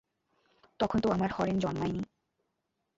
তখন তো আমার হরেন জন্মায় নি।